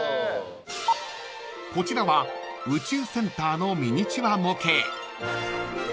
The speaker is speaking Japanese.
［こちらは宇宙センターのミニチュア模型］